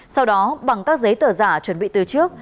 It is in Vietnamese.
sau đó bằng các giấy tờ giả chuẩn bị từ trước